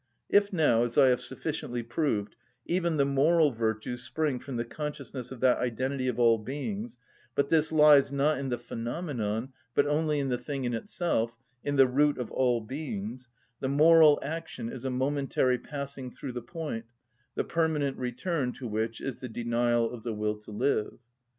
If now, as I have sufficiently proved, even the moral virtues spring from the consciousness of that identity of all beings, but this lies, not in the phenomenon, but only in the thing in itself, in the root of all beings, the moral action is a momentary passing through the point, the permanent return to which is the denial of the will to live.